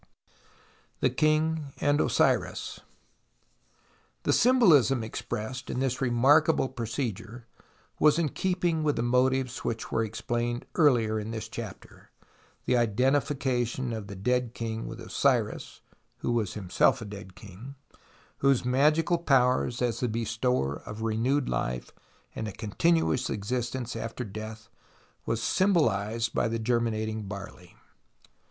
The King and Osiris The symbolism expressed in this remarkable procedure was in keeping with the motives which were explained earlier in this chapter, the identification of the dead king with Osiris (who was himself a dead king), whose magical SIGNIFICANCE OF THE DISCOVERY 63 powers as the bestower of renewed life and a continuation of existence after death was symbohzed by the germinating barley.